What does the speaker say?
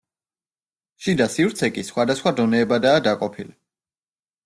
შიდა სივრცე კი სხვადასხვა დონეებადაა დაყოფილი.